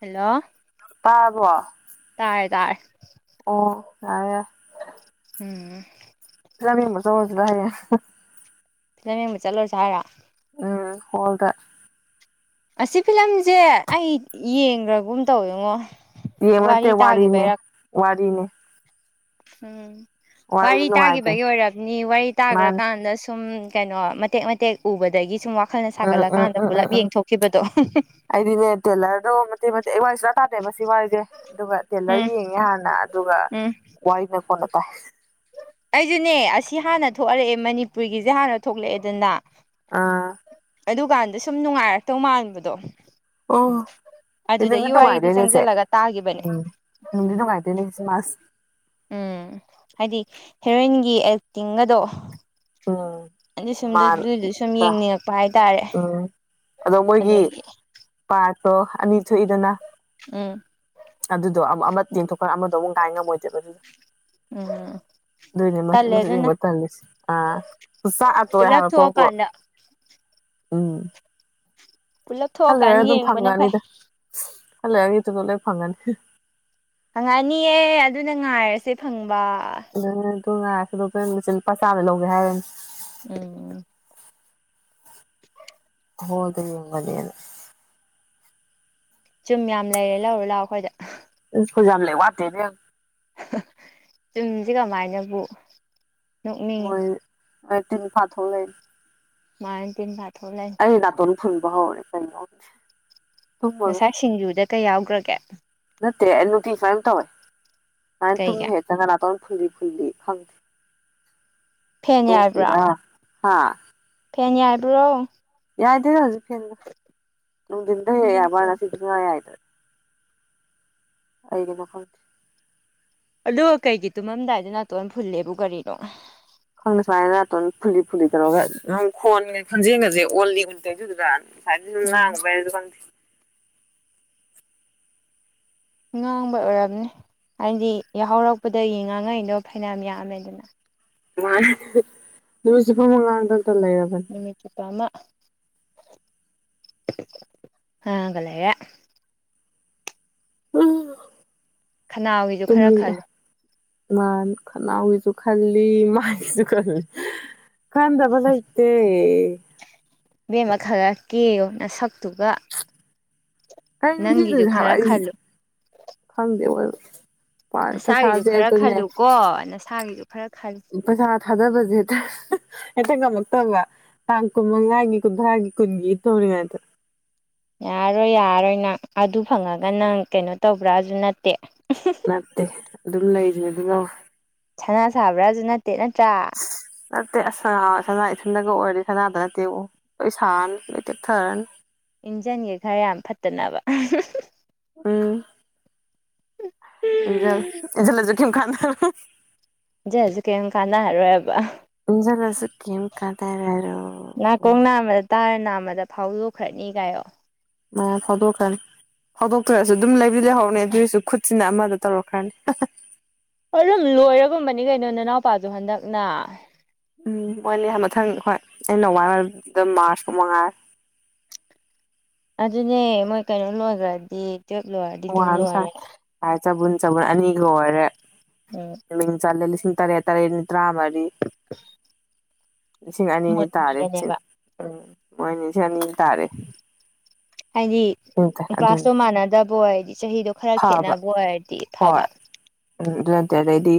hello ꯇꯔꯕꯣ ꯇꯥꯔꯦ ꯇꯔꯦ ꯑꯣ ꯌꯥꯔꯦ [unintelligible] ꯐꯤꯂꯝ ꯌꯦꯡꯕ ꯆꯠꯂꯨꯁꯤꯔ‌ꯣ ꯍꯌꯦꯡ ꯐꯤꯂꯝ ꯌꯦꯡꯕ ꯆꯠꯂꯨꯔꯁ‌ꯦ ꯍꯥꯏꯔꯣ ꯎꯝ ꯍꯣꯜꯗ ꯑꯁꯤ ꯐꯤꯂꯝꯁꯦ ꯑꯩ ꯌꯦꯡꯒ꯭ꯔꯒꯨꯝ ꯇꯧꯋ ꯌꯦꯉꯣ ꯌꯦꯡꯃꯠꯇꯦ ꯋꯥꯔꯤꯅꯦ ꯋꯥꯔꯤꯅꯦ ꯎꯝ ꯋꯥꯔꯤꯗꯣ ꯋꯥꯔꯤ ꯇꯥꯈꯤꯕꯒꯤ ꯅꯨꯡꯉꯥꯏꯒꯤꯝꯅꯤ ꯑꯣꯏꯔꯕꯅꯤ ꯋꯥꯔꯤ ꯃꯥꯅꯦ ꯇꯥꯈ꯭ꯔꯀꯥꯟꯗ ꯁꯨꯝ ꯀꯩꯅꯣ ꯃꯇꯦꯛ ꯃꯇꯦꯛ ꯎꯕꯗꯒꯤ ꯁꯨꯝ ꯋꯥꯈꯜꯅ ꯎꯝ ꯎꯝ ꯁꯥꯒꯠꯂꯀꯥꯟꯗ ꯎꯝ ꯄꯨꯜꯂꯞ ꯎꯝ ꯎꯝ ꯌꯦꯡꯊꯣꯛꯈꯤꯕꯗꯣ ꯑꯩꯗꯤꯅꯦ ꯇꯦꯂꯔꯗꯣ ꯃꯇ ꯃꯇ ꯋꯥꯔꯤꯁꯤꯔ ꯇꯥꯗꯦꯕ ꯁꯤ ꯋꯥꯔꯤ ꯑꯗꯨꯒ ꯇꯦꯂꯔ ꯎꯝ ꯌꯦꯡꯉꯦ ꯍꯥꯟꯅ ꯑꯗꯨꯒ ꯎꯝ ꯋꯥꯔꯤꯅ ꯈꯣꯟꯅ ꯇꯥꯏ ꯑꯩꯁꯨꯅꯦ ꯑꯁꯤ ꯍꯥꯟꯅ ꯊꯣꯛꯍꯜꯂꯛꯑꯦ ꯃꯅꯤꯄꯨꯔꯒꯤꯁꯦ ꯍꯥꯟꯅ ꯊꯣꯛꯂꯛꯑꯦꯗꯅ ꯑꯥ ꯑꯗꯨꯀꯥꯟꯗ ꯁꯨꯝ ꯅꯨꯡꯉꯥꯏꯔꯛꯇꯧ ꯃꯥꯟꯕꯗꯣ ꯑꯣ ꯐꯤꯂꯝꯗꯤ ꯑꯗꯨꯗꯒꯤ ꯋꯥꯔꯤꯗꯨ ꯅꯨꯡꯉꯥꯏꯗꯣꯏꯅꯦꯁꯦ ꯆꯪꯁꯤꯜꯂꯒ ꯇꯥꯒꯤꯈꯤꯕꯅꯦ ꯎꯝ ꯅꯨꯡꯗꯤ ꯅꯨꯡꯉꯥꯏ ꯗꯣꯏꯅꯦ ꯁꯤꯃꯁ ꯁꯤ ꯎꯝ ꯍꯥꯏꯗꯤ ꯍꯦꯔꯣꯏꯟꯒꯤ ꯑꯦꯛꯇꯤꯡꯒꯗꯣ ꯎꯟ ꯑꯗꯨ ꯁꯨꯝꯗ ꯃ ꯑꯗꯨꯗꯨ ꯁꯨꯝ ꯅꯠꯇ꯭ꯔꯥ ꯌꯦꯡꯅꯤꯡꯉꯛꯄ ꯍꯥꯏꯇꯥꯔꯦ ꯎꯝ ꯑꯗꯣ ꯃꯣꯏꯒꯤ ꯑꯗꯒꯤ ꯄꯥꯠꯇꯣ ꯑꯅꯤ ꯊꯣꯛꯏꯗꯅ ꯎꯝ ꯑꯗꯨꯗꯣ ꯑꯃ ꯌꯦꯡꯊꯣꯛꯀꯥꯟ ꯑꯃꯗꯣ ꯑꯃꯨꯛ ꯉꯥꯏ ꯉꯝꯃꯣꯏꯗꯦꯕ ꯑꯗꯨꯗꯣ ꯎꯝ ꯑꯗꯨꯏꯅꯦ ꯃꯆꯦꯠ ꯇꯜꯂꯦ ꯃꯆꯨꯠ ꯑꯗꯨꯅ ꯌꯦꯡꯕ ꯊꯜꯂꯤꯁꯦ ꯑꯆꯥꯛ ꯑꯇꯣꯏ ꯄꯨꯂꯞ ꯍꯥꯏꯕ ꯄꯣꯠꯄꯣ ꯊꯣꯛꯑꯀꯥꯟꯗ ꯎꯝ ꯄꯨꯂꯞ ꯈꯔꯥ ꯊꯣꯛꯑꯀꯥꯟꯗ ꯂꯩꯔꯒ ꯑꯗꯨꯝ ꯌꯦꯡꯕꯅ ꯐꯩ ꯐꯪꯉꯅꯤꯗ ꯍꯜ ꯂꯩꯑꯒ ꯏꯇꯨꯗꯣ ꯂꯣꯏ ꯐꯪꯒꯅꯤ ꯐꯪꯉꯛꯑꯅꯤꯑ ꯑꯗꯨꯅ ꯉꯥꯏꯔꯁꯦ ꯐꯪꯕ [unintelligible] ꯃꯆꯤꯟ ꯂꯨꯄꯥ ꯆꯥꯝ ꯂꯧꯒꯦ ꯍꯥꯏꯔꯅꯤ ꯎꯝ ꯎ [inaudible] ꯍꯣꯗ ꯌꯦꯡꯃꯅꯦꯅ ꯆꯨꯝ ꯌꯥꯝ ꯂꯩꯔꯦ ꯂꯧꯔ ꯂꯥꯛꯑꯣ ꯑꯩꯈꯣꯏꯗ ꯑꯩꯈ‌ꯣꯏ ꯌꯥꯝ ꯂꯩ ꯋꯥꯇꯦ ꯏꯕ‌ꯦꯝ ꯆꯨꯝꯁꯦ ꯀꯃꯥꯏꯅꯕꯨ ꯅꯣꯛꯅꯤꯡꯉꯤ ꯍꯣꯏ ꯇꯤꯟ ꯐꯥ ꯊꯣꯛꯂꯛꯑ ꯃꯥꯏꯟ ꯄꯤꯟ ꯐꯊꯣꯛ ꯂꯩ ꯑꯩ ꯅꯥꯇꯣꯟ ꯐꯨꯟꯕ ꯍꯧꯔꯦ ꯀꯩꯅꯅꯦ ꯉꯁꯥꯏ ꯁꯤꯡꯖꯨꯗ ꯀꯩ ꯌꯥꯎꯒ꯭ꯔꯒꯦ ꯅꯠꯇꯦ ꯑꯩ ꯅꯨꯄꯤ ꯁꯨꯃꯥꯏꯅ ꯇꯧꯋꯦ ꯃꯥꯅ ꯇꯨꯝ ꯀꯩꯒꯤ ꯍꯦꯛ ꯅꯪꯅ ꯅꯥꯇꯣꯟ ꯐꯨꯜꯂꯤ ꯐꯨꯜꯂꯤ ꯈꯪꯗꯦ ꯐꯦꯟ ꯌꯥꯏꯕ꯭ꯔꯣ ꯂꯣꯛꯀꯤꯔ ꯍꯥꯥ ꯐꯦꯟ ꯌꯥꯏꯕ꯭ꯔꯣ ꯌꯥꯏꯗꯦꯗ ꯍꯧꯖꯤꯛ ꯐꯦꯟꯗꯣ ꯅꯨꯡꯊꯤꯟꯗ ꯍꯦꯍꯦꯛ ꯌꯥꯏꯕ ꯋꯥꯅꯤ ꯉꯁꯤꯗꯤ ꯁꯨꯡꯌꯥꯏ ꯌꯥꯏꯗ꯭ꯔꯦ ꯀꯩꯒꯤꯅꯣ ꯈꯪꯗꯦ ꯑꯗꯨꯒ ꯀꯩꯒꯤ ꯇꯨꯝꯃꯝꯗꯥꯏꯗ ꯅꯥꯇꯣꯟ ꯐꯨꯜꯂꯦꯕꯨ ꯀꯔꯤꯅꯣ ꯈꯪꯅ ꯁꯨꯃꯥꯏꯅ ꯅꯥꯇꯣꯟ ꯐꯨꯜꯂꯤ ꯐꯨꯜꯂꯤ ꯇꯧꯔꯒ ꯑꯗꯨꯝ ꯈꯣꯟꯒ ꯈꯣꯟꯖꯦꯜꯒꯁꯦ ꯑꯣꯜꯂꯤ ꯑꯣꯜꯂꯤ ꯇꯧꯏꯖꯦꯗꯨꯗ ꯉꯁꯥꯏꯗꯩ ꯑꯗꯨꯝ ꯎꯝ ꯉꯥꯡꯉꯨꯕꯩꯔꯥ ꯈꯪꯗꯦ ꯉꯥꯡꯕꯩ ꯑꯣꯏꯔꯝꯅꯤ ꯍꯥꯏꯗꯤ ꯌꯥꯍꯧꯔꯛꯄꯗꯒꯤ ꯉꯥꯡꯉꯛꯏꯗꯣ ꯐꯩꯅꯥꯝ ꯌꯥꯝꯃꯦꯗꯅ ꯃꯥꯅꯤ ꯅꯨꯃꯤꯠ ꯆꯨꯞꯄꯥꯃꯥ ꯉꯥꯡꯗꯅꯇ ꯂꯩꯔꯕꯅꯤ ꯅꯨꯃꯤꯠ ꯆꯨꯞꯄ ꯑꯃꯥ ꯉꯥꯡꯉꯒ ꯂꯩꯔꯦ ꯎꯝ ꯈꯅꯥꯎꯒꯤꯁꯨ ꯈꯔ ꯈꯜꯂꯨ ꯃꯥꯅꯤ ꯈꯅꯥꯎꯒꯤꯁꯨ ꯈꯜꯂꯤ ꯃꯥꯏꯒꯤꯁꯨ ꯈꯜꯂꯤ ꯈꯟꯗꯕ ꯂꯩꯇꯦ ꯏꯕꯦꯝꯃ ꯈꯔ ꯀꯦꯌꯣ ꯅꯁꯛꯇꯨꯒ ꯀꯩꯅꯣ ꯅꯪꯒꯤꯁꯨ ꯀꯦꯗꯣꯏꯁꯦ ꯍꯥꯏꯕ ꯈꯔ ꯑꯩ ꯈꯜꯂꯨ ꯈꯪꯗꯦ ꯑꯋꯣꯏꯕ ꯅꯁꯥꯒꯤꯁꯨ ꯈꯔ ꯈꯜꯂꯨꯀꯣ ꯅꯁꯥꯒꯤꯁꯨ ꯈꯔ ꯈꯜꯂꯨ ꯄꯩꯁꯥ ꯊꯥꯗꯕꯁꯦ ꯍꯦꯛꯇ ꯍꯦꯛꯇ ꯉꯝꯃꯛꯇꯕ ꯇꯥꯡ ꯀꯨꯟ ꯃꯉꯥꯒꯤ ꯀꯨꯟꯊꯔꯥꯒꯤ ꯀꯨꯟꯒꯤ ꯇꯧꯔꯤꯉꯥꯏꯗ ꯌꯥꯔꯣꯏ ꯌꯥꯔꯣꯏ ꯅꯪ ꯑꯗꯨ ꯐꯪꯉꯒ ꯅꯪ ꯀꯩꯅꯣ ꯇꯧꯕ꯭ꯔꯥꯖꯨ ꯅꯠꯇꯦ ꯅꯠꯇꯦ ꯑꯗꯨꯝ ꯂꯩꯖꯤꯅꯤ ꯑꯗꯨꯅꯕꯨ ꯁꯅꯥ ꯁꯥꯕ꯭ꯔꯥꯖꯨ ꯅꯠꯇꯦ ꯅꯠꯇ꯭ꯔꯥ ꯅꯠꯇꯦ ꯑꯁ ꯁꯅꯥ ꯁꯅꯥ ꯏꯊꯟꯗꯒ ꯑꯣꯏꯔꯗꯤ ꯁꯅꯥꯗ ꯅꯠꯇꯦꯕꯣ ꯄꯩꯁꯥꯅ ꯂꯣꯏ ꯇꯦꯛꯊꯔꯅꯤ ꯏꯟꯖꯟꯒꯦ ꯈꯔ ꯌꯥꯝ ꯐꯠꯇꯅꯕ ꯎꯝ ꯏꯖꯦꯜꯂꯨ ꯏꯖꯜꯂꯖꯨ ꯀꯩꯝ ꯈꯥꯟꯅꯔꯣꯏ ꯏꯟꯖꯜꯂꯖꯨ ꯀꯩꯝ ꯀꯥꯟꯅꯔꯔꯣꯏꯕ ꯏꯟꯖꯜꯂꯁꯨ ꯀꯩꯝ ꯀꯥꯟꯅꯔꯔꯣꯏ ꯅꯥꯀꯣꯡ ꯅꯥꯝꯃꯗ ꯇꯥꯔ ꯅꯥꯝꯃꯗ ꯐꯥꯎꯗꯣꯛꯈ꯭ꯔꯅꯤ ꯀꯥꯏꯌꯣ ꯑꯥ ꯐꯥꯎꯗꯣꯛꯈꯔꯥꯅꯤ ꯐꯥꯎꯗꯣꯛꯇꯔꯁꯨ ꯑꯗꯨꯝ ꯂꯩꯕꯨꯗꯤ ꯂꯩꯍꯧꯅꯤ ꯑꯗꯨꯁꯨ ꯈꯨꯠꯁꯤꯅ ꯑꯃꯗ ꯇꯧꯔꯛꯈ꯭ꯔꯅꯤ ꯑꯗꯨꯝ ꯂꯣꯏꯔꯒꯨꯝꯕꯅꯤ ꯀꯩꯅꯣ ꯅꯅꯥꯎꯄꯥꯖꯨ ꯍꯟꯗꯛꯅ ꯎꯝ ꯃꯣꯏꯅꯦ ꯃꯊꯪ ꯍꯣꯏ ꯑ ꯅꯣꯡꯋꯥꯏꯗ ꯃꯥꯔꯁ ꯄꯧ ꯃꯉꯥꯏꯔꯦ ꯑꯗꯨꯅꯦ ꯃꯣꯏ ꯀꯩꯅꯣ ꯂꯣꯏꯒꯔꯗꯤ ꯇꯨꯋꯦꯞ ꯂꯣꯏꯔ ꯋꯥꯏꯑꯝ ꯁꯪꯉꯦ ꯆꯕꯨꯟ ꯆꯕꯨꯟ ꯑꯅꯤꯒ ꯑꯣꯏꯔꯦ ꯎꯝ ꯃꯤꯡ ꯆꯜꯂꯦ ꯂꯤꯁꯤꯡ ꯇꯔꯦꯠ ꯇꯔꯦꯠꯅꯤ ꯇꯔꯥ ꯃꯔꯤ ꯂꯤꯁꯤꯡ ꯑꯅꯤꯅꯤ ꯇꯥꯔꯦꯁꯤꯡ ꯃꯣꯏꯅꯤꯗꯅꯦꯕ ꯎꯝ ꯃꯣꯏ ꯂꯤꯁꯤꯡ ꯑꯅꯤ ꯇꯥꯔꯦ ꯍꯥꯏꯗꯤ ꯎꯝ ꯀ꯭ꯂꯥꯁꯇꯣ ꯑꯗꯨꯅꯤ ꯃꯥꯟꯅꯗꯕ ꯑꯣꯏꯗꯤ ꯆꯍꯤꯗꯣ ꯈꯔ ꯐꯕ ꯈꯦꯠꯅꯕ ꯑꯣꯏꯔꯗꯤ ꯐꯕ ꯍꯣꯏ ꯎꯝ ꯑꯗꯨ ꯅꯠꯇꯦ ꯑꯗꯩꯗꯤ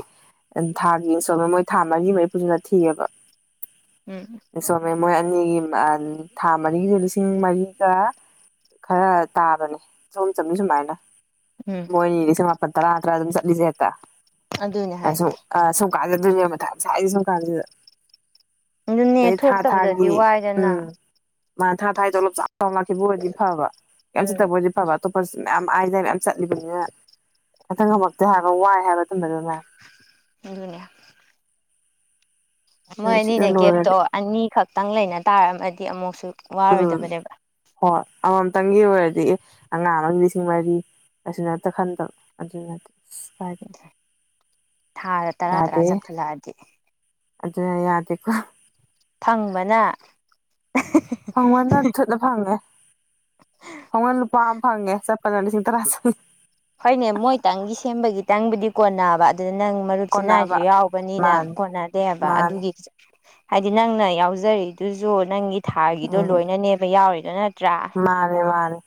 ꯊꯥꯒꯤ ꯏꯟꯁꯣꯜ ꯃꯣꯏ ꯊꯥ ꯃꯔꯤ ꯃꯔꯤ ꯄꯨꯁꯤꯗ ꯊꯤꯑꯦꯕ ꯎꯝ ꯎꯝ ꯃꯣꯏ ꯑꯅꯤꯒꯤ ꯊꯥ ꯃꯔꯤꯒꯤꯁꯨ ꯂꯤꯁꯤꯡ ꯃꯔꯤꯒ ꯈꯔ ꯇꯥꯕꯅꯦ ꯆꯍꯨꯝ ꯆꯝꯅꯤ ꯁꯨꯃꯥꯏꯅ ꯎꯝ ꯃꯣꯏꯅꯤ ꯂꯤꯁꯤꯡ ꯃꯥꯄꯟ ꯇꯔꯥ ꯇꯔꯥ ꯑꯗꯨꯝ ꯆꯠꯂꯤꯖꯦ ꯍꯦꯛꯇ ꯑꯗꯨꯅꯦ ꯍꯥꯏ ꯑ ꯁꯨꯝꯀꯥꯟꯗ ꯗꯨꯅꯦ ꯃꯊꯥ ꯁꯥꯏꯖꯦ ꯁꯨꯝꯀꯥꯟꯖꯤꯗ ꯑꯗꯨꯅꯦ ꯑꯗꯩ ꯊꯥ ꯊꯣꯛꯇꯕꯗꯗꯤ ꯊꯥꯒꯤ ꯋꯥꯏꯗꯅ ꯎꯝ ꯃꯥ ꯊꯥ ꯊꯥꯏ ꯇꯣꯂꯣꯞ ꯆꯥꯎ ꯂꯥꯛꯈꯤꯕ ꯑꯣꯏꯗꯤ ꯐꯕ ꯀ꯭ꯌꯤꯝ ꯎꯝ ꯆꯠꯇꯕ ꯑꯣꯏꯗꯤ ꯐꯕ ꯑꯇꯣꯞꯄꯔꯁꯤ ꯃꯌꯥꯝ ꯑꯥꯏꯗꯥꯏ ꯃꯌꯥꯝ ꯆꯠꯂꯤꯕꯅꯤꯅ ꯍꯦꯛꯇ ꯉꯝꯃꯛꯇꯦ ꯍꯥꯏꯕ ꯋꯥꯏ ꯍꯥꯏꯕ [unintelligible] ꯗꯨꯅꯦ ꯃꯣꯏ ꯑꯗꯨꯅ ꯁꯤꯗ ꯑꯅꯤꯅ ꯒꯦꯞꯇꯣ ꯂꯣꯏꯔꯗꯤ ꯑꯅꯤ ꯈꯛꯇꯪ ꯂꯩꯅ ꯇꯥꯔꯝꯃꯗꯤ ꯑꯃꯨꯛꯁꯨ ꯎꯝ ꯋꯥꯔꯣꯏꯗꯕꯅꯦꯕ ꯍꯣꯏ ꯑꯃꯃꯝꯇꯪꯒꯤ ꯑꯣꯏꯔꯗꯤ ꯑꯦ ꯑꯉꯥꯡ ꯑꯃꯒꯤ ꯂꯤꯁꯤꯡ ꯃꯔꯤ [unintelligible] ꯈꯟꯗꯕ ꯑꯗꯨ ꯅꯇꯦ ꯊꯥꯗ ꯇꯔꯥ ꯇꯔꯥ ꯌꯥꯗꯦꯍꯦ ꯆꯠꯈꯠꯂꯛꯑꯗꯤ ꯑꯗꯨꯅ ꯌꯥꯗꯦꯀꯣ ꯊꯪꯕꯅ ꯐꯪꯕꯅ ꯊꯨꯠꯅ ꯐꯪꯉꯦ ꯐꯪꯕꯅ ꯂꯨꯄꯥ ꯑꯃ ꯐꯪꯉꯦ ꯆꯠꯄꯅ ꯂꯤꯁꯤꯡ ꯇꯔꯥ ꯆꯪꯉꯦ ꯍꯣꯏꯅꯦ ꯃꯣꯏ ꯇꯪꯒꯤ ꯁꯦꯝꯕꯒꯤ ꯇꯪꯕꯨꯗꯤ ꯀꯣꯟꯅꯕ ꯑꯗꯨꯗ ꯅꯪ ꯃꯔꯨꯞꯁꯤꯅꯥꯏꯖꯨ ꯀꯣꯟꯅꯕ ꯌꯥꯎꯕꯅꯤꯅ ꯃꯥꯅꯤ ꯀꯣꯟꯅꯗꯦꯕ ꯃꯥꯅꯤ ꯑꯗꯨꯒꯤ ꯍꯥꯏꯗꯤ ꯅꯪꯅ ꯌꯥꯎꯖꯔꯤꯗꯨꯖꯨ ꯅꯪꯒꯤ ꯊꯥꯒꯤꯗꯣ ꯎꯝ ꯂꯣꯏꯅꯅꯦꯕ ꯌꯥꯎꯔꯤꯗꯨꯅ ꯃꯥꯅꯦ ꯃꯥꯅꯦ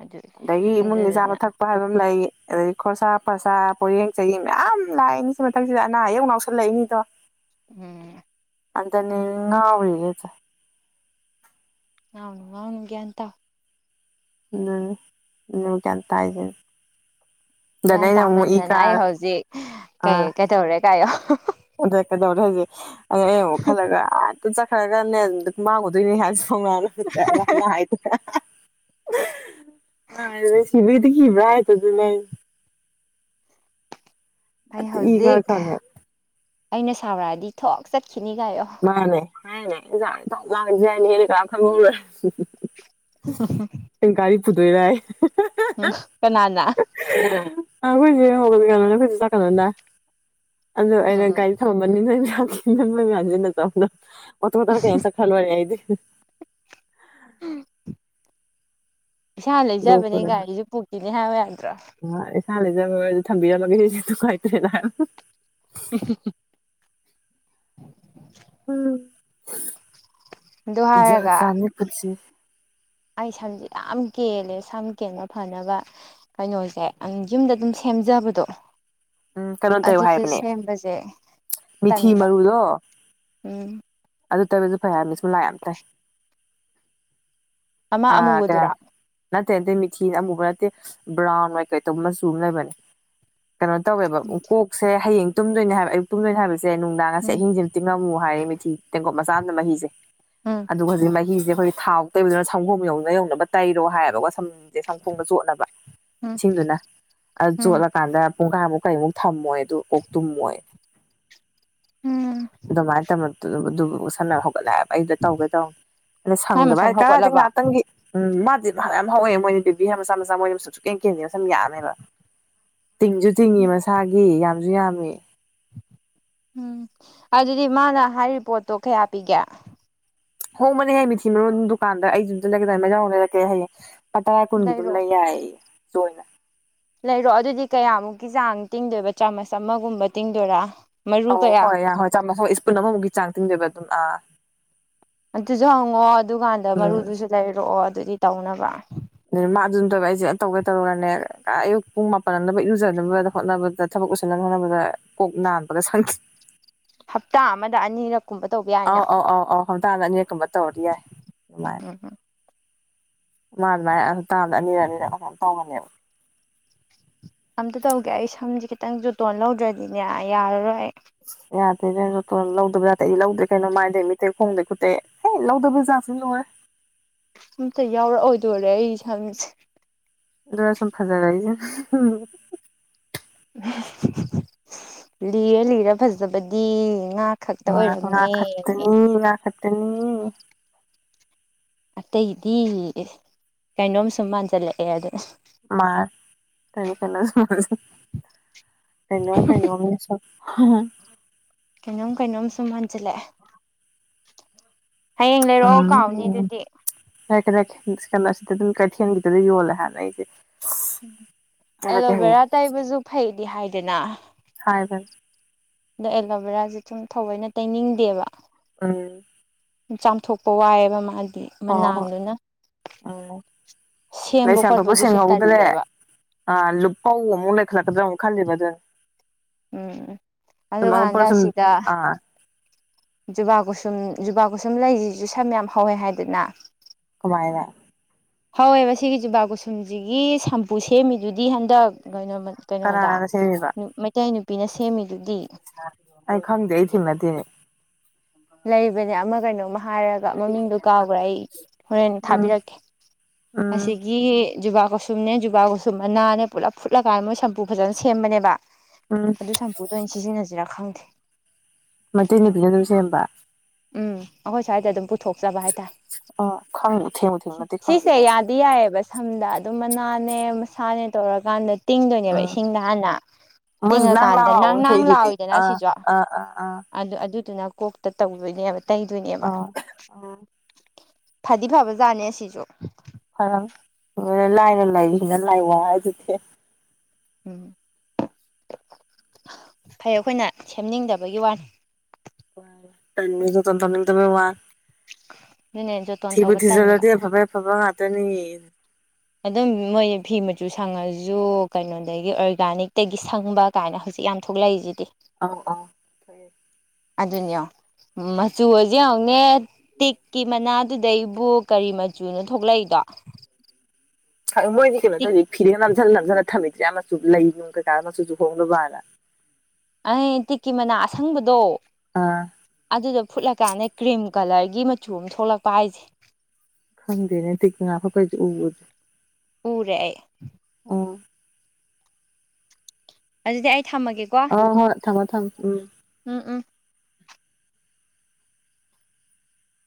ꯑꯗꯨ ꯑꯗꯒꯤ ꯏꯃꯨꯡꯒꯤ ꯆꯥꯕ ꯑꯗꯨꯗꯨꯅ ꯊꯛ ꯄ ꯍꯥꯏꯕ ꯑꯃ ꯂꯩ ꯑꯗꯩꯩ ꯈꯣꯔꯁꯥ ꯄꯔꯁꯥ ꯄꯣꯌꯦꯡ ꯆꯌꯦꯡ ꯃꯌꯥꯝ ꯂꯥꯛꯏꯅꯤ ꯁꯤ ꯃꯊꯛꯁꯤꯗ ꯑꯅꯥ ꯑꯌꯦꯛ ꯃꯨꯛ ꯌꯥꯎ ꯂꯩꯅꯤꯗꯣ ꯎꯝ ꯑꯗꯅꯦꯃꯤ ꯉꯥꯎꯔꯤꯖꯦ ꯉꯥꯎꯅꯨ ꯉꯥꯎꯅꯨ ꯒ꯭ꯌꯥꯟ ꯇꯥꯎ [unintelligible] ꯒ꯭ꯌꯥꯟ ꯇꯥꯏꯖꯤꯅꯤ ꯒ꯭ꯌꯥꯟ ꯇꯥꯃꯟꯗꯅ ꯑꯩ ꯀꯥꯔ ꯍꯧꯖꯤꯛ ꯀꯩ ꯀꯩꯗꯧꯔꯦ ꯒꯥꯏꯌꯣ ꯑꯣꯗ ꯀꯗꯧꯔꯦ ꯍꯧꯖꯤꯛ ꯑꯩ ꯑꯃꯨꯛ ꯈꯜꯂꯒ ꯑꯗꯨ ꯆꯠꯈ꯭ꯔꯒꯅꯦ ꯃꯥꯡꯉꯨꯗꯣꯏꯅꯤ [unintelligible] ꯁꯤꯕꯩꯗꯤ ꯀꯤꯕ꯭ꯔꯥ ꯍꯥꯏꯖꯦ ꯑꯗꯨꯅꯦ ꯍꯥꯏꯖꯦ ꯑꯩ ꯏ ꯀꯥꯔ ꯍꯧꯖꯤꯛ ꯀꯥꯟꯗ ꯑꯩꯅ ꯁꯥꯎꯔꯛꯑꯗꯤ ꯊꯣꯛ ꯆꯠꯈꯤꯅꯤ ꯀꯥꯏꯌꯣ [unintelligible] ꯀꯅꯥꯝ ꯈꯪꯉꯧꯔꯣꯏ [inaudible] ꯒꯥꯔꯤ ꯄꯨꯗꯣꯏꯔꯑꯦ ꯎꯝ ꯀꯅꯥꯅ [unintelligible] [unintelligible] ꯎꯝ ꯆꯠꯈ꯭ꯔꯥ ꯂꯣꯏꯔꯦ ꯑꯩꯗꯤ ꯏꯁꯥ ꯂꯩꯖꯕꯅꯦ ꯒꯥꯔꯤꯁꯨ ꯄꯨꯈꯤꯅꯤ ꯍꯥꯏꯌꯨ ꯌꯥꯗ꯭ꯔꯣ ꯑꯣ ꯏꯁꯥꯅ ꯂꯩꯖꯕ ꯑꯣꯏꯔꯖꯨ ꯊꯝꯕꯤꯔꯝꯃꯒꯦ ꯗꯨꯗꯤ ꯅꯨꯉꯥꯏꯇ꯭ꯔꯦꯅ ꯍꯥꯏ [unintelligible] ꯎꯝ ꯗꯨ ꯍꯥꯏꯔꯒ ꯄꯨꯟꯁꯤ ꯑꯩ ꯁꯝꯖꯦ ꯌꯥꯝ ꯀꯦꯜꯂꯦ ꯁꯝ ꯀꯦꯟꯕ ꯐꯅꯕ ꯀꯩꯅꯣꯖꯦ ꯑꯪ ꯌꯨꯝꯗ ꯑꯗꯨꯝ ꯁꯦꯝꯖꯕꯗꯣ ꯎꯝ ꯀꯩꯅꯣ ꯇꯧ ꯑꯗꯨꯗ ꯍꯥꯏꯕꯅꯦ ꯁꯦꯝꯕꯖꯦ ꯃꯤꯊꯤ ꯇꯟꯕ ꯃꯔꯨꯗꯣ ꯎꯝ ꯑꯗꯨ ꯇꯕꯁꯨ ꯐꯩ ꯍꯥꯏ ꯃꯤ [unintelligible] ꯑꯃ ꯑꯥ ꯗ ꯑꯃꯨꯕꯗꯨꯔꯥ ꯅꯠꯇꯦ ꯅꯠꯇꯇꯩ ꯃꯤꯊꯤꯟ ꯑꯃꯨꯕ ꯅꯠꯇꯦ ꯕ꯭ꯔꯥꯎꯟ ꯀꯩ ꯇꯧꯕ ꯃꯆꯨ ꯑꯃ ꯂꯩꯕꯅꯦ ꯀꯩꯅꯣ ꯇꯧꯋꯦꯕ ꯀꯣꯛꯁꯦ ꯍꯌꯦꯡ ꯇꯨꯝꯗꯣꯏꯅꯦ ꯍꯥꯏꯕ ꯑꯌꯨꯛ ꯇꯨꯝꯗꯣꯏꯅꯦ ꯍꯥꯏꯕꯁꯦ ꯅꯨꯡꯗꯥꯡꯁꯦ ꯎꯝ ꯑꯍꯤꯡꯁꯦ ꯉꯝꯃꯨ ꯍꯥꯏꯔꯦ ꯃꯤꯊꯤ ꯇꯦꯡꯀꯣꯠ ꯃꯆꯥ ꯑꯃꯅ ꯃꯍꯤꯁꯦ ꯎꯝ ꯑꯗꯨꯒ ꯍꯧꯖꯤꯛ ꯃꯍꯤꯁꯦ ꯑꯩꯈꯣꯏꯒꯤ ꯊꯥꯎ ꯇꯩꯕꯗꯨꯅ ꯁꯪꯒꯣꯝ ꯌꯧꯅ ꯌꯧꯅꯕ ꯇꯩꯔꯣ ꯍꯥꯏꯌꯦꯕꯀꯣ ꯁꯝꯁꯦ ꯁꯪꯒꯣꯝꯗ ꯆꯣꯠꯅꯕ ꯎꯝ ꯏꯁꯤꯡꯗꯨꯅ ꯑꯗꯨ ꯎꯝ ꯆꯣꯠꯂꯀꯥꯟꯗ ꯄꯨꯡꯒꯥꯃꯨꯛ ꯀꯔꯤꯃꯨꯛ ꯊꯝꯃꯣꯏ ꯑꯗꯨ ꯑꯣꯛꯇꯨꯨꯝꯃꯣꯏ ꯎꯝ ꯑꯗꯨꯃꯥꯏꯅ ꯇꯧꯅ ꯑꯗꯨꯕꯨ ꯁꯥꯟꯅꯕ ꯍꯧꯒꯠꯂꯛꯑꯦꯕ ꯑꯩꯗ ꯇꯧꯒꯦ ꯇꯧꯅꯤ ꯑꯗ ꯃꯥꯏ ꯁꯪꯗꯕ ꯃꯁꯝ ꯍꯥꯏ ꯀꯔꯗꯤ ꯍꯧꯒꯠꯂꯕ ꯉꯥꯛꯇꯪꯒꯤ ꯎꯝ ꯃꯥꯗꯤ ꯌꯥꯝ ꯍꯧꯋꯦ ꯃꯣꯏꯅ ꯇꯦꯕꯤ ꯍꯥꯏ ꯃꯆꯥ ꯃꯆꯥ ꯃꯣꯏꯅ ꯁꯁꯨꯛ ꯀꯩ ꯀꯦꯟꯗꯦꯅ ꯁꯨꯝ ꯌꯥꯅꯦꯕ ꯇꯤꯡꯁꯨ ꯇꯤꯡꯏ ꯎꯝ ꯃꯁꯥꯒꯤ ꯌꯥꯝꯁꯨ ꯌꯥꯝꯃꯤ ꯎꯝ ꯑꯗꯨꯗꯤ ꯃꯥꯅ ꯍꯥꯏꯔꯤꯕ ꯄꯣꯠꯇꯣ ꯀꯌꯥ ꯄꯤꯒꯦ ꯍꯣꯡꯃꯅꯦ ꯍꯥꯏ ꯃꯤ ꯊꯤꯕꯣꯟ ꯗꯨꯀꯥꯟꯗ ꯑꯩ ꯌꯝꯗ ꯂꯩꯒꯦꯗꯥꯏ ꯃꯖꯥꯎ ꯂꯩꯔꯛꯀꯦ ꯍꯥꯏꯌꯦꯡ ꯇꯔꯥ ꯀꯨꯟꯒꯤ ꯑꯗꯨꯝ ꯂꯩꯔꯣ ꯂꯩ ꯌꯥꯏ ꯁꯣꯏꯅ ꯂꯩꯔꯣ ꯑꯗꯨꯗꯤ ꯀꯌꯥꯃꯨꯛꯀꯤ ꯆꯥꯡ ꯇꯤꯡꯗꯣꯏꯕ ꯆꯥꯃꯁ ꯑꯃꯒꯨꯝꯕ ꯇꯤꯡꯗꯣꯏꯔꯥ ꯃꯔꯨ ꯑꯧ ꯀꯌꯥ ꯍꯣꯏ ꯌꯥꯏ ꯍꯣꯏ ꯆꯥꯝꯃꯊ ꯏꯁꯄꯨꯟ ꯑꯃꯃꯨꯛꯀꯤ ꯆꯥꯡ ꯇꯤꯡꯗꯣꯏꯕ ꯑꯗꯨꯝ ꯑꯥ ꯑꯗꯨꯁꯨ ꯍꯪꯉꯑꯣ ꯑꯗꯨꯀꯥꯟꯗ ꯎꯝ ꯃꯔꯨꯗꯨꯁꯨ ꯂꯩꯔꯛꯑꯣ ꯑꯗꯨꯗꯤ ꯇꯧꯅꯕ ꯑꯗꯨ ꯃꯥ ꯑꯗꯨꯝ ꯇꯧꯔ ꯑꯩꯁꯦ ꯑ ꯇꯧꯒꯦ ꯇꯧꯔꯨꯔꯅꯦ ꯑꯌꯨꯛ ꯄꯨꯡ ꯃꯥꯄꯜ ꯑꯃꯗ ꯏꯔꯨꯖꯅꯕꯗ ꯍꯣꯠꯅꯕꯗ ꯊꯕꯛ ꯎꯁꯤꯟꯅ ꯍꯅꯕꯗ ꯀꯣꯛ ꯅꯥꯟꯕꯒ ꯁꯪꯈꯤ ꯍꯞꯇꯥ ꯑꯃꯗ ꯑꯅꯤꯔꯛ ꯀꯨꯝꯕ ꯇꯧꯕ ꯌꯥꯏꯅ ꯈꯝꯇꯥꯥꯡꯗ ꯑꯅꯤꯔꯥꯛꯀꯨꯝꯕ ꯇꯧꯔꯤ ꯌꯥꯏ ꯑꯗꯨꯃꯥꯏ [unintelligible] ꯃꯥ ꯃꯥꯥꯏ [unintelligible] ꯇꯧꯅꯦꯕ ꯑꯝꯇ ꯇꯧꯒꯦ ꯑꯩ ꯁꯝꯁꯦ ꯈꯤꯇꯪ ꯖꯨꯇꯣꯟ ꯂꯧꯗ꯭ꯔꯗꯤꯅꯦ ꯌꯥꯔꯔꯣꯏ ꯌꯥꯗꯦꯅꯦꯇ ꯂꯧꯗꯕ ꯌꯥꯥꯗꯦ ꯑꯩ ꯂꯧꯗ꯭ꯔꯦ ꯀꯩꯅꯣ ꯃꯥꯏꯗꯩ ꯃꯤꯇꯩ ꯈꯣꯡꯗꯩ ꯈꯨꯠꯇꯩ ꯍ ꯂꯧꯗꯕꯖꯥꯠꯁꯨ ꯂꯣꯏ ꯑꯝꯇ ꯌꯥꯎꯔꯛꯑꯣꯏꯗꯣꯔꯦ ꯑꯩ ꯏꯁꯝꯁꯦ ꯂꯣꯔ ꯁꯝ ꯐꯥꯖꯥꯒꯥꯏ [unintelligible] ꯂꯤꯔ ꯂꯤꯔ ꯐꯖꯕꯗꯤ ꯉꯥ ꯈꯛꯇ ꯋꯥ ꯉꯅꯥ ꯑꯣꯏꯔꯝꯃꯦ ꯈꯠꯇꯅꯤ ꯉ ꯈꯠꯇꯅꯤ ꯑꯇꯩꯗꯤ ꯀꯩꯅꯣꯝ ꯁꯨꯝ ꯃꯥꯟꯖꯜꯂꯛꯑꯦ ꯑꯗ ꯃꯥꯅꯤ ꯀꯩꯅꯣ [unintelligible] ꯀꯩꯅꯣꯝ ꯀꯩꯅꯩꯅꯣꯝ ꯍꯝ ꯀꯩꯅꯣꯝ ꯀꯩꯅꯣꯝ ꯁꯨꯝ ꯍꯟꯖꯤꯜꯂꯛꯑꯦ ꯍꯌꯦꯡ ꯂꯩꯔꯛꯑꯣ ꯀꯥꯎꯅꯤ ꯑꯗꯨꯗꯤ [unintelligible] ꯀꯩꯊꯦꯟꯒꯤꯗꯨ ꯌꯣꯂ ꯍꯥꯏꯅ ꯑꯩꯁꯦ ꯎꯝ ꯆꯠꯂꯒꯦ ꯑꯦꯂꯣꯚꯦꯔꯥ ꯍꯌꯦꯡ ꯇꯥꯏꯕꯁꯨ ꯐꯩꯗꯤ ꯍꯥꯏꯗꯅ ꯍꯥꯏꯕꯥꯟ ꯑꯗꯣ ꯑꯦꯂꯣꯕꯦꯔꯥꯁꯦ ꯁꯨꯝ ꯊꯑꯣꯏꯅ ꯇꯩꯅꯤꯡꯗꯦꯕ ꯎꯝ ꯆꯥꯝꯊꯣꯛꯄ ꯋꯥꯏꯑꯦꯕ ꯃꯥꯗꯤ ꯑꯣ ꯃꯅꯥꯡꯗꯨꯅ ꯂꯩ ꯁꯦꯝꯕ ꯁꯥꯟꯗꯣꯛꯄ ꯈꯣꯠꯄꯗꯨꯁꯨ ꯁꯦꯡꯍꯧꯗ꯭ꯔꯦ ꯇꯜꯂꯦꯕ ꯑ ꯂꯨꯄꯧ ꯑꯃꯨꯛ ꯂꯩꯈꯠꯂꯛꯗ꯭ꯔꯥ ꯑꯃꯨꯛ ꯈꯜꯂꯤꯕ ꯑꯗꯨ ꯎꯝ ꯁꯨꯃ ꯑꯗꯨꯀꯥꯟꯗ ꯁꯤꯗ [unintelligible] ꯖꯨꯕꯥ ꯀꯁꯨꯝ ꯖꯨꯕꯥ ꯀꯁꯨꯝ ꯂꯩꯔꯤꯁꯤꯁꯨ ꯁꯝ ꯌꯥꯝ ꯍꯧꯋꯦ ꯍꯥꯏꯗꯅ ꯀꯃꯥꯢꯅ ꯍꯋꯦꯕ ꯁꯤꯒꯤ ꯖꯨꯕꯥ ꯀꯨꯁꯨꯝꯁꯤꯒꯤ ꯁꯝꯄꯨ ꯁꯦꯝꯃꯤꯗꯨꯗꯤ ꯍꯟꯗꯛ [unintelligible] ꯀꯩꯅꯣꯗ ꯀꯅꯥꯅ ꯁꯦꯝꯃꯤꯕ ꯃꯩꯇꯩ ꯅꯨꯄꯤꯅ ꯁꯦꯝꯃꯤꯗꯨꯗꯤ ꯑꯩ ꯈꯪꯗꯦ ꯑꯩ ꯊꯦꯡꯅꯗꯦꯅꯦ ꯂꯩꯕꯅꯦ ꯑꯃ ꯀꯩꯅꯣꯝꯃ ꯍꯥꯏꯔꯒ ꯃꯃꯤꯡꯗꯨ ꯀꯥꯎꯈ꯭ꯔꯦ ꯑꯩ ꯍꯣꯔꯦꯟ ꯎꯝ ꯊꯥꯕꯤꯔꯛꯀꯦ ꯎꯝ ꯑꯁꯤꯒꯤ ꯖꯨꯕꯥ ꯀꯁꯨꯝꯅꯦ ꯖꯨꯕꯥ ꯀꯁꯨꯝ ꯑꯅꯥꯅꯦ ꯄꯨꯂꯞ ꯐꯨꯠꯂ ꯀꯥꯏꯅ ꯃꯣꯏ ꯁꯝ ꯀꯨ ꯐꯖꯅ ꯁꯦꯝꯕꯅꯦꯕ ꯎꯝ ꯑꯗꯨ ꯁꯝꯄꯨꯗꯣ ꯑꯩꯅ ꯁꯤꯖꯤꯟꯅꯁꯤꯔꯥ ꯈꯪꯗꯦ ꯃꯩꯇꯩ ꯅꯨꯄꯤꯗꯨꯅ ꯁꯦꯝꯕ ꯎꯝ ꯑꯩꯈꯣꯏ ꯁ꯭ꯋꯥꯏꯗ ꯑꯗꯨꯝ ꯄꯨꯊꯣꯛꯆꯕ ꯍꯥꯏꯇꯥ ꯑꯣ ꯈꯪꯉꯨ ꯊꯦꯡꯉꯨ ꯊꯦꯡꯉꯨ ꯅꯠꯇꯦ ꯈꯪꯗꯦꯅꯦ ꯑꯩꯁꯦ [unintelligible] ꯁꯝꯗ ꯑꯗꯨꯝ ꯃꯅꯥꯅꯦ ꯃꯁꯥꯅꯦ ꯇꯧꯔꯀꯥꯟꯗ ꯇꯤꯡꯗꯣꯏꯅꯦꯕ ꯑꯥ ꯏꯁꯤꯡꯗ ꯍꯥꯟꯅ ꯃꯣꯏꯁꯨ ꯅꯪ ꯇꯤꯡꯉꯀꯥꯟꯗ ꯂꯥꯎꯕ ꯅꯪ ꯑꯃ ꯅꯪ ꯊꯣꯛꯏꯗꯨꯗꯤ ꯂꯎꯏꯗꯅ ꯑꯥ ꯁꯤꯁꯨ ꯑꯥ ꯑꯥ ꯑꯥ ꯑꯗꯨ ꯑꯗꯨꯗꯨꯅ ꯀꯣꯛꯇ ꯇꯧꯗꯣꯏꯅꯦꯕ ꯇꯩꯗꯣꯏꯅꯦꯕ ꯑꯥ ꯎꯝ ꯐꯗꯤ ꯐꯕ ꯖꯥꯠꯅꯦ ꯁꯤꯁꯨ ꯐꯔ ꯂꯥꯏꯅ ꯂꯥꯏꯔꯤꯅ ꯂꯥꯏ ꯋꯥ ꯍꯥꯏꯗꯨꯗꯤ ꯎꯝ ꯐꯩ ꯑꯩꯈꯣꯏꯅ ꯁꯦꯝꯅꯤꯡꯗꯕꯒꯤ ꯋꯥꯅꯤ [unintelligible] ꯋꯥ ꯑꯗꯨꯅꯦ ꯖꯣꯇꯣꯟ ꯊꯤꯕꯨ ꯇꯧꯕ ꯇꯟꯕ ꯊꯤꯖꯤꯟꯂꯗꯤ ꯑꯐ ꯐꯥꯕ ꯉꯇꯅꯤ ꯑꯗꯨꯝ ꯃꯣꯏ ꯐꯤ ꯃꯆꯨ ꯁꯪꯉꯁꯨ ꯀꯩꯅꯣꯗꯒꯤ ꯑꯣꯔꯒꯥꯅꯤꯛꯇꯒꯤ ꯁꯪꯕ ꯀꯥꯏꯅ ꯍꯧꯖꯤꯛ ꯌꯥꯝ ꯊꯣꯛꯂꯛꯏꯁꯤꯗꯤ ꯑꯧ ꯑꯧ ꯑꯗꯨꯅꯤ ꯃꯆꯨꯁꯨ ꯌꯥꯎꯅꯦ ꯇꯤꯛꯀꯤ ꯃꯅꯥ ꯗꯩꯕꯨ ꯀꯔꯤ ꯃꯆꯨꯅꯣ ꯊꯣꯛꯂꯛꯏꯗꯣ ꯃꯣꯏꯗꯤ ꯀꯩꯅꯣ ꯇꯤꯛ ꯇꯧꯏ ꯐꯤꯗꯒ ꯅꯝꯖꯜ ꯅꯝꯖꯜꯂ ꯊꯝꯃꯤꯗꯨꯗꯤ ꯑꯥ ꯃꯆꯨ ꯂꯩ ꯅꯨꯡ ꯀꯩꯀꯥ ꯃꯆꯨ ꯆꯨꯍꯧꯅꯕꯅ ꯑꯩ ꯇꯤꯛꯀꯤ ꯃꯅꯥ ꯑꯁꯪꯕꯗꯣ ꯑꯥ ꯑꯗꯨꯗꯣ ꯐꯨꯠꯂꯀꯥꯟꯗ ꯀ꯭ꯔꯤꯝ ꯀꯂꯔꯒꯤ ꯃꯆꯨ ꯑꯝ ꯊꯣꯛꯂꯛꯄ ꯍꯥꯏꯁꯦ ꯈꯪꯗꯦꯅꯦ ꯇꯤꯛ ꯃꯅꯥ ꯐꯨꯠꯄꯩꯗꯤ ꯎꯕꯨ ꯎ ꯎꯔꯦ ꯑꯩ ꯎꯝ ꯑꯗꯨꯗꯤ ꯑꯩ ꯊꯝꯃꯒꯦꯀꯣ ꯍꯣ ꯍꯣꯏ ꯊꯃꯣ ꯊꯝ ꯎꯝ ꯎꯝ ꯎꯝ